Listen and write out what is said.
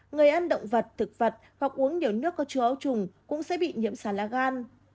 người ăn động vật thực vật hoặc uống nhiều nước có chứa áo trùng cũng sẽ bị nhiễm xà lá gan